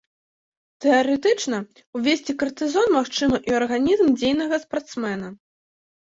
Тэарэтычна увесці картызон магчыма і ў арганізм дзейнага спартсмена.